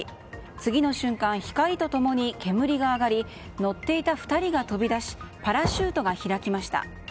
次の瞬間、光と共に煙が上がり乗っていた２人が飛び出しパラシュートが開きました。